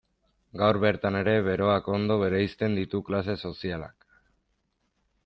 Gaur bertan ere beroak ondo bereizten ditu klase sozialak.